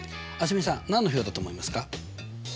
蒼澄さん何の表だと思いますか？